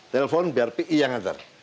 telepon biar pi yang ngajar